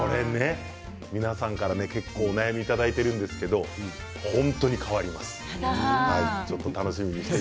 皆さんから結構お悩みをいただいているんですが本当に変わります。